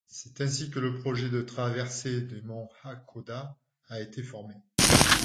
C’est ainsi que le projet de traversée des monts Hakkōda a été formé.